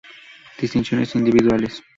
Distinciones individuales